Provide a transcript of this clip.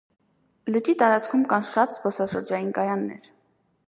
Լճի տարածքում կան շատ զբոսաշրջային կայաններ։